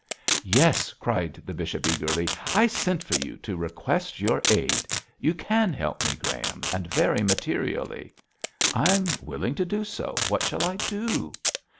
'Yes,' cried the bishop, eagerly. 'I sent for you to request your aid. You can help me, Graham, and very materially.' 'I'm willing to do so. What shall I do?'